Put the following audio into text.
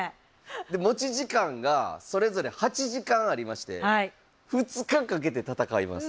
持ち時間がそれぞれ８時間ありまして２日かけて戦います。